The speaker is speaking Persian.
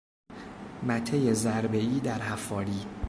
مته ضربه ای درحفاری